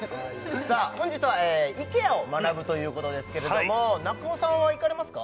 本日はイケアを学ぶということですけれども中尾さんは行かれますか？